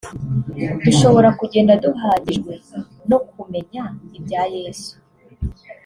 dushobora kugenda duhagijwe no kumenya ibya Yesu